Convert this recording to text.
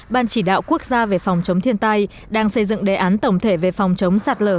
ban chỉ đạo quốc gia về phòng chống thiên tai đang xây dựng đề án tổng thể về phòng chống sạt lở